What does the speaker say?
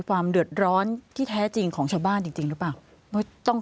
ความเดือดร้อนที่แท้จริงของชาวบ้านจริงหรือเปล่า